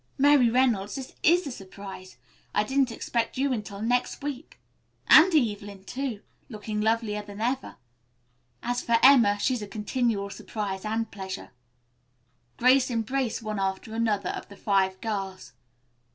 Mary Reynolds, this is a surprise. I didn't expect you until next week, and Evelyn, too, looking lovelier than ever. As for Emma, she's a continual surprise and pleasure." Grace embraced one after another of the five girls.